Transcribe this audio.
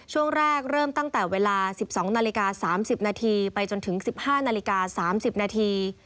ช่วงแรกเริ่มตั้งแต่เวลา๑๒นาฬิกา๓๐นาทีไปจนถึง๑๕นาฬิกา๓๐นาที